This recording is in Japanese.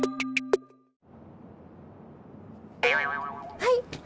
はい！